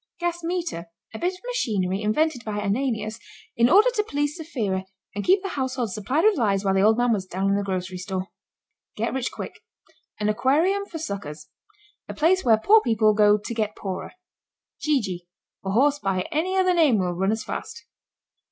GAS METER. A bit of machinery invented by Ananias in order to please Saphira and keep the household supplied with lies while the old man was down in the grocery store. GET RICH QUICK. An aquarium for suckers. A place where poor people go to get poorer. GEE GEE. A horse by any other name will run as fast.